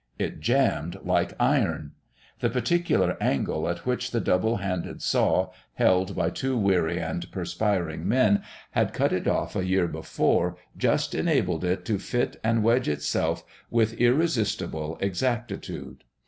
It jammed like iron. The particular angle at which the double handed saw, held by two weary and perspiring men, had cut it off a year before just enabled it to fit and wedge itself with irresistible exactitude.